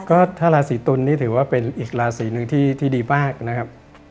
ก็ถ้าราศีตุลนี่ถือว่าเป็นอีกราศีหนึ่งที่ดีมากนะครับ